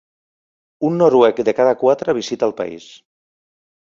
Un noruec de cada quatre visita el país.